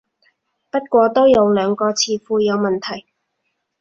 不過都有兩個詞彙有問題